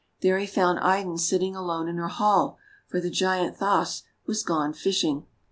There he found Idun sitting alone in her hall, for the Giant Thjasse was gone fishing.